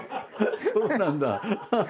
そうなんだ。